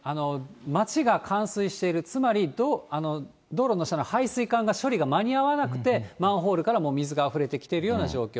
町が冠水している、つまり、道路の下の排水管が処理が間に合わなくて、マンホールからもう水があふれてきているような状況。